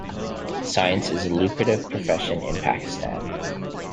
Science is a lucrative profession in Pakistan.